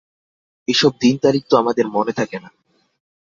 এসব দিন-তারিখ তো আমাদের মনে থাকে না।